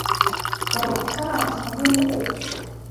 Уара ухәҭаа аанханы иҟоуп…